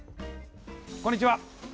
こんにちは。